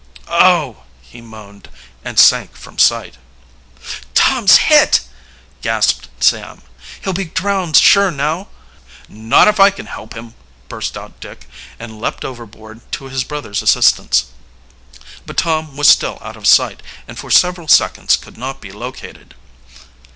"Oh!" he moaned, and sank from sight. "Tom's hit!" gasped Sam. "He'll be drowned sure now!" "Not if I can help him!" burst out Dick, and leaped overboard to his brother's assistance. But Tom was still out of sight, and for several seconds could not be located.